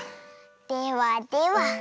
ではでは。